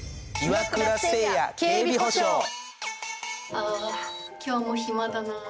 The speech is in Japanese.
ああ今日も暇だなあ。